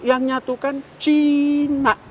yang menyatukan cina